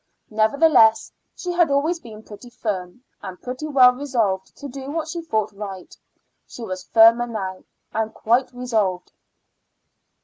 Nevertheless she had always been pretty firm, and pretty well resolved to do what she thought right. She was firmer now, and quite resolved.